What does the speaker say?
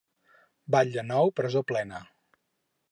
Batlle nou, presó plena.